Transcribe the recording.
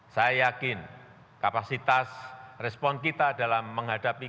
saya yakin kapasitas respon kita dalam menghadapi